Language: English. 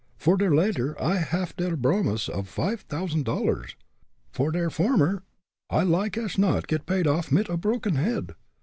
For der latter I haff der bromise of five t'ousand dollars for der former, I like ash not get paid off mit a proken head.